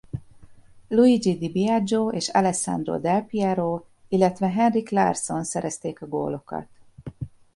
Luigi Di Biagio és Alessandro Del Piero illetve Henrik Larsson szerezték a gólokat.